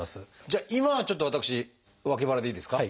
じゃあ今はちょっと私脇腹でいいですか？